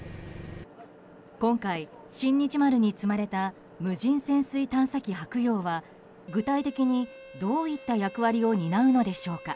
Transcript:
今回、「新日丸」に積まれた無人潜水探査機「はくよう」は具体的にどういった役割を担うのでしょうか。